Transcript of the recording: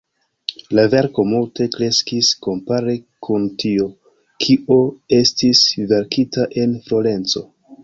La verko multe kreskis kompare kun tio, kio estis verkita en Florenco.